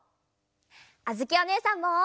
あづきおねえさんも！